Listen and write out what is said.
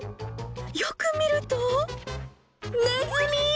よく見ると、ネズミ。